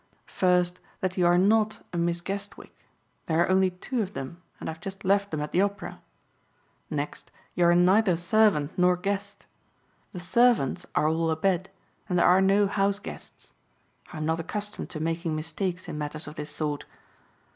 "First that you are not a Miss Guestwick. There are only two of them and I have just left them at the Opera. Next you are neither servant nor guest. The servants are all abed and there are no house guests. I am not accustomed to making mistakes in matters of this sort.